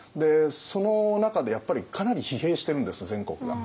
その中でやっぱりかなり疲弊してるんです全国が。